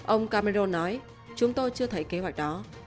ông camero nói chúng tôi chưa thấy kế hoạch đó